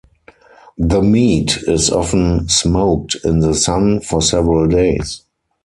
The meat is often smoked in the sun for several days.